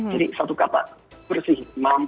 jadi satu kata bersih